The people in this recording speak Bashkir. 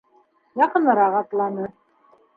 Яҡыныраҡ атланы.